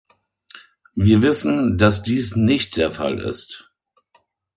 Wir wissen, dass dies nicht der Fall ist.